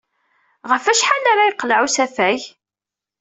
Ɣef wacḥal ara yeqleɛ usafag?